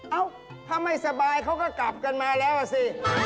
เอ้าถ้าไม่สบายเขาก็กลับกันมาแล้วอ่ะสิ